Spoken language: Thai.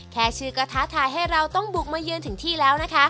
แค่ชื่อก็ท้าทายให้เราต้องบุกมาเยือนถึงที่แล้วนะคะ